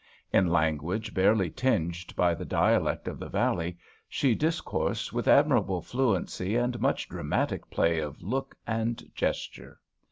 In language barely tinged by the dialect of the valley, she discoursed with admirable fluency and much dramatic play of look and gesture.